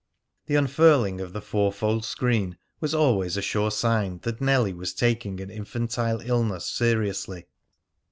The unfurling of the four fold screen was always a sure sign that Nellie was taking an infantile illness seriously.